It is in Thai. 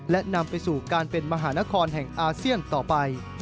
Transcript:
และนำไปสู่การเป็นมหานครแห่งอาเซียนต่อไป